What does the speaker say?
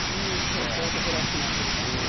ちょっと男らしくなってる感じが。